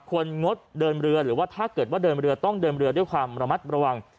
งดเดินเรือหรือว่าถ้าเกิดว่าเดินเรือต้องเดินเรือด้วยความระมัดระวัง